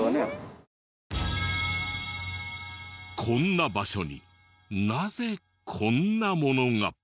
こんな場所になぜこんなものが？